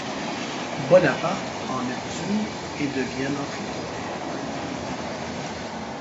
Bonaparte en Neptune et Devienne en Triton.